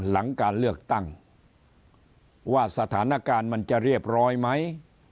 หลังการเลือกตั้งว่าสถานการณ์มันจะเรียบร้อยไหม